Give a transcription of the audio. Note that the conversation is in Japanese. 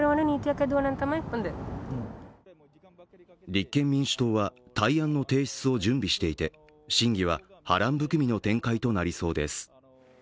立憲民主党は対案の提出を準備していて審議は波乱含みの展開となりそうです。